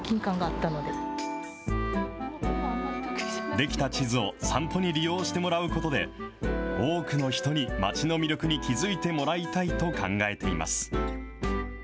出来た地図を散歩に利用してもらうことで、多くの人に町の魅力に気付いてもらいたいと考えています。